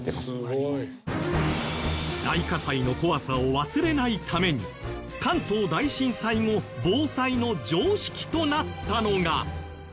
大火災の怖さを忘れないために関東大震災後防災の常識となったのが。